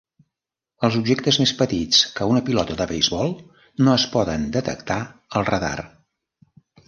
Els objectes més petits que una pilota de beisbol no es poden detectar al radar.